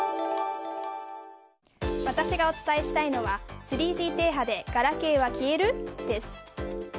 私がお伝えしたいのは３Ｇ停波でガラケーは消える？です。